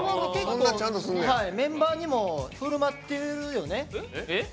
メンバーにもふるまってるよね？